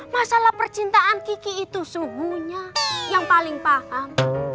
masalah percintaan kiki itu suhunya yang paling paham